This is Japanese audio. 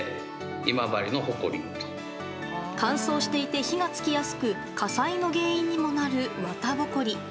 乾燥していて火が付きやすく火災の原因にもなる綿ぼこり。